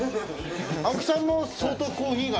青木さんも相当コーヒーがお好きと？